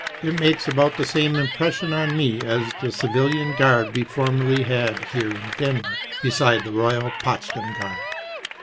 It makes about the same impression on me as the civilian guard we formerly had here in Denmark, beside the Royal Potsdam Guard.